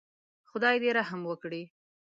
خدای دې رحم وکړي.